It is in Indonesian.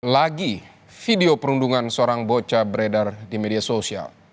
lagi video perundungan seorang bocah beredar di media sosial